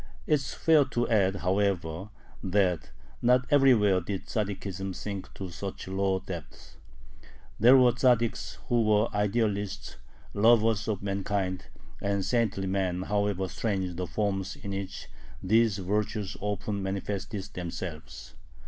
It is fair to add, however, that not everywhere did Tzaddikism sink to such low depths. There were Tzaddiks who were idealists, lovers of mankind, and saintly men, however strange the forms in which these virtues often manifested themselves.